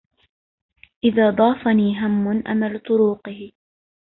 إذا ضافني هم أمل طروقه